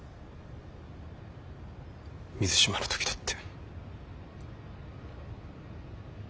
水島の時だって。